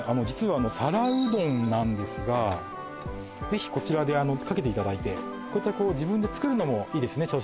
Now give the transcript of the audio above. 実は皿うどんなんですがぜひこちらでかけていただいてこういった自分で作るのもいいですね